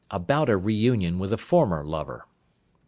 About a Re union with a former Lover.